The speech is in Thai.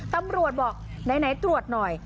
ตำรวจบอกไหนตรวจหน่อย